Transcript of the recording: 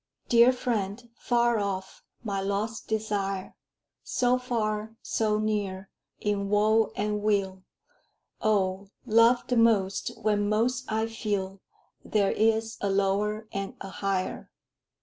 Dear friend, far off, my lost desire So far, so near, in woe and weal; Oh, loved the most when most I feel There is a lower and a higher!